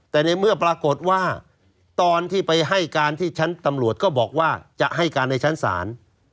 แต่ในเมื่อปรากฏว่าตอนที่ไปให้การที่ชั้นตำรวจก็บอกว่าจะให้การในชั้นศาล